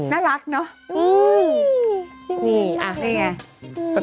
น่ารักเนอะ